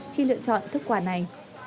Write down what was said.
khi lựa chọn thức quà này